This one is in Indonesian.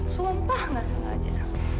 sumpah nggak sengaja